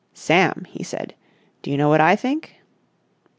"Sam," he said, "do you know what I think?"